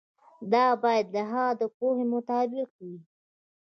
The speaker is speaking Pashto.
دا باید د هغه د پوهې مطابق وي.